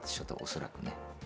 恐らくね。